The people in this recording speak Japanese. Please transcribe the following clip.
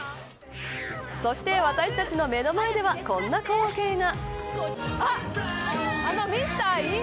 そして私たちの目の前ではこんな光景が。